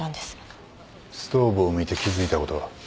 ストーブを見て気付いたことは？